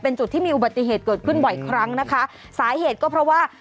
เป็นจุดที่มีอุบัติเหตุเกิดขึ้นบ่อยครั้งนะคะสาเหตุก็เพราะว่า